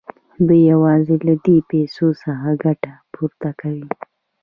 دوی یوازې له دې پیسو څخه ګټه پورته کوي